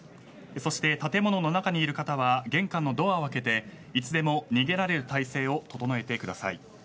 そして、建物の中にいる方は玄関のドアを開けていつでも逃げられる態勢を整えてください。